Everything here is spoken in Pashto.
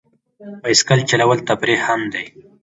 بایسکل چلول تفریح هم دی.